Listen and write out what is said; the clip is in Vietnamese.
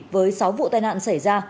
với sáu vụ tai nạn xảy ra